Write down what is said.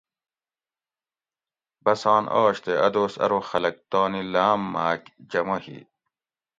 بسان آش تے اۤ دوس ارو خلک تانی لاۤم ماۤک جمع ھی